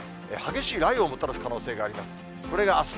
激しい雷雨をもたらす可能性があります。